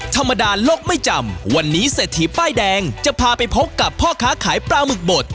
ธรรมดาโลกไม่จำวันนี้เศรษฐีป้ายแดงจะพาไปพบกับพ่อค้าขายปลาหมึกบด